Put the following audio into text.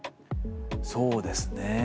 そうですね。